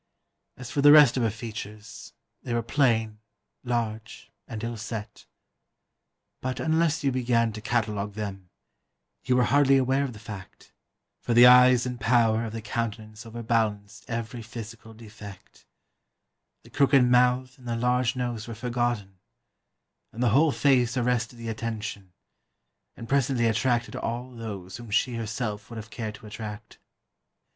As for the rest of her features, they were plain, large, and ill set; but, unless you began to catalogue them, you were hardly aware of the fact, for the eyes and power of the countenance overbalanced every physical defect; the crooked mouth and the large nose were forgotten, and the whole face arrested the attention, and presently attracted all those whom she herself would have cared to attract.